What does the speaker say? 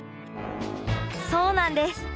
そうなんです。